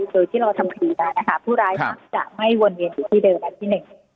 โดยที่เราทำคดีมานะคะผู้ร้ายมักจะไม่วนเวียนอยู่ที่เดิมอันที่หนึ่ง